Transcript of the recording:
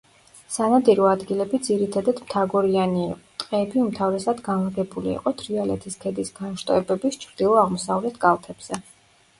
სანადირო ადგილები ძირითადად მთაგორიანი იყო, ტყეები უმთავრესად განლაგებული იყო თრიალეთის ქედის განშტოებების ჩრდილო-აღმოსავლეთ კალთებზე.